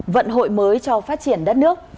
vận hội mới cho phát triển đất nước